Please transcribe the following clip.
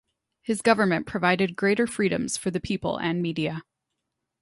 His government provided greater freedoms for the people and media.